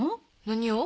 何を？